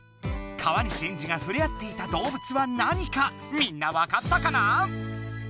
川西エンジがふれあっていた動物は何かみんなわかったかな？